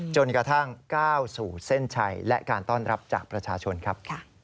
จนกระทั่งก้าวสู่เส้นชัยและการต้อนรับจากประชาชนครับ